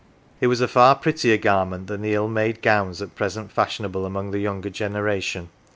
It was a far prettier garment than the ill made gowns at present fashionable among the younger generation.